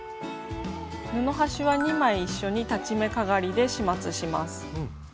布端は２枚一緒に裁ち目かがりで始末します。